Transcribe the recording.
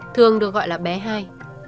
thường được gọi là bé hai